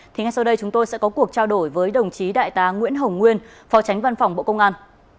thì ngay sau đây chúng tôi sẽ có cuộc trao đổi với đồng chí đại tá nguyễn hồng nguyên phó tránh văn phòng bộ công an